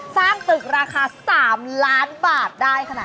สร้างตึกราคา๓ล้านบาทได้ขนาดนี้